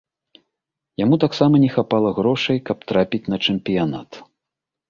Яму таксама не хапала грошай, каб трапіць на чэмпіянат.